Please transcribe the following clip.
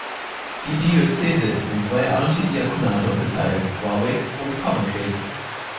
Die Diözese ist in zwei Archidiakonate unterteilt, Warwick und Coventry.